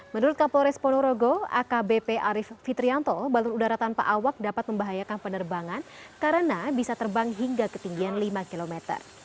menurut kapolres ponorogo akbp arief fitrianto balon udara tanpa awak dapat membahayakan penerbangan karena bisa terbang hingga ketinggian lima km